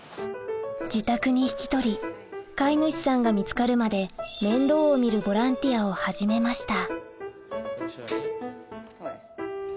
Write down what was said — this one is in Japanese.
自宅に引き取り飼い主さんが見つかるまで面倒を見るボランティアを始めました